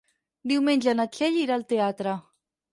Diumenge na Txell irà al teatre.